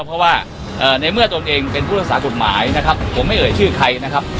เพราะว่าในเมื่อตนเองเป็นผู้รักษากฎหมายนะครับผมไม่เอ่ยชื่อใครนะครับ